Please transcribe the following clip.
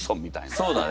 そうだね。